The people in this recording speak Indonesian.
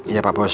iya pak bos